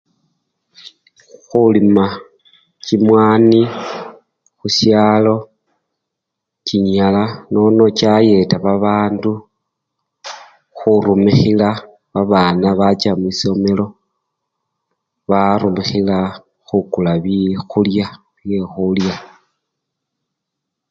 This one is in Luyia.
Khulima chimwani khushalo chinyala nono chayeta babandu khurumikhila babana bacha mwisomelo barumikhila khukula biii! byakhulya byekhulya.